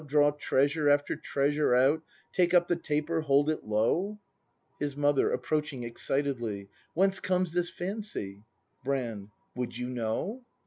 Draw treasure after treasure out. Take up the taper, hold it low ? His Mother. [Approaching excitedly.] Whence comes this fancy ? Brand. Would you know?